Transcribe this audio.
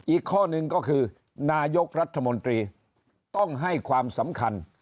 อีกข้อหนึ่งก็คือนายกรัฐมนตรีต้องให้ความสำคัญ